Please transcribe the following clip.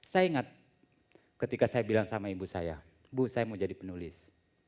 saya ingat ketika saya bilang sama ibu saya ibu saya mau jadi penulis